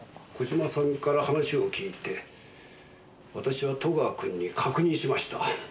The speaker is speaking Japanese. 小島さんから話を聞いて私は戸川君に確認しました。